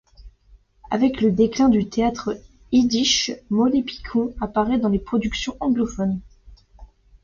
Avec le déclin du théâtre yiddish, Molly Picon apparaît dans des productions anglophones.